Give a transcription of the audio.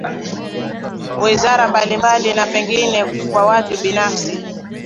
wizara mbalimbali na pengine kwa watu binafsi